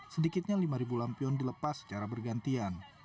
sedikitnya lima lampion dilepas secara bergantian